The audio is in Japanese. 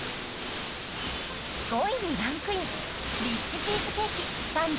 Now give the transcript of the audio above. ［５位にランクイン］